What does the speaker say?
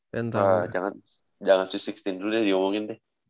jangan sweet enam belas dulu ya diomongin deh